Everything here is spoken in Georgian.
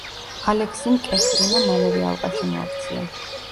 ალექსიმ კეხრინა მალევე ალყაში მოაქცია.